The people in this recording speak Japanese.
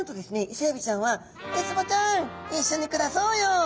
イセエビちゃんは「ウツボちゃんいっしょに暮らそうよ」。